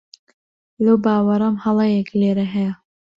لەو باوەڕەم هەڵەیەک لێرە هەیە.